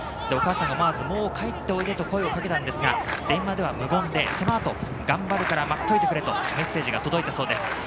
お母さん、思わずもう帰っておいでと声をかけたんですが、電話では無言でその後、頑張るから待っといてくれとメッセージが届いたそうです。